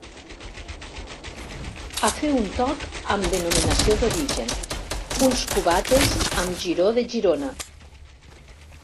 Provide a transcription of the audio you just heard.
A fer un toc amb denominació d'origen: uns cubates amb Giró de Girona.